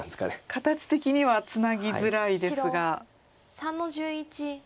形的にはツナぎづらいですが。